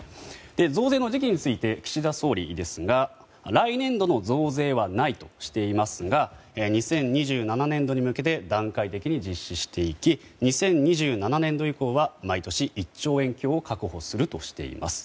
増税の時期について岸田総理は来年度の増税はないとしていますが２０２７年度に向けて段階的に実施していき２０２７年度以降は毎年１兆円強を確保するとしています。